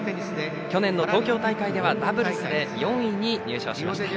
去年の東京大会ではダブルスで４位に入賞しました。